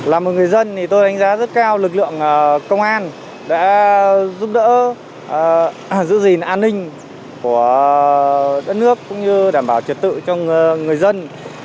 là một người dân thì tôi đánh giá rất cao lực lượng công an đã giúp đỡ giữ gìn an ninh của đất nước cũng như đảm bảo trật tự cho người dân